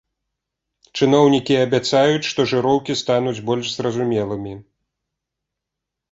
Чыноўнікі абяцаюць, што жыроўкі стануць больш зразумелымі.